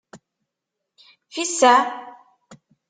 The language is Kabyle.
Fisaε!